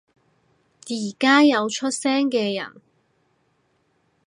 而家有出聲嘅人